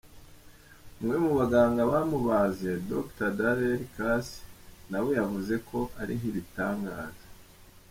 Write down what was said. Umwe mu baganga bamubaze Dr Darrell Cass na we yavuze ko ari nk'ibitangaza.